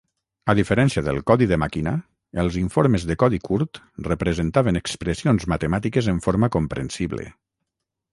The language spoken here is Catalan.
A diferència del codi de màquina, els informes de codi curt representaven expressions matemàtiques en forma comprensible.